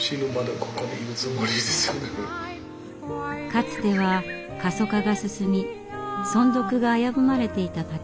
かつては過疎化が進み存続が危ぶまれていた竹所。